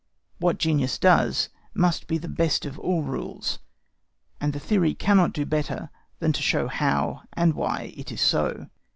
What genius does must be the best of all rules, and theory cannot do better than to show how and why it is so.